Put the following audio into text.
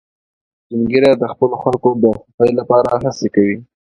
سپین ږیری د خپلو خلکو د خوښۍ لپاره هڅې کوي